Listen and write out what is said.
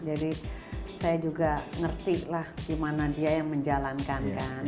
jadi saya juga ngerti lah gimana dia yang menjalankan kan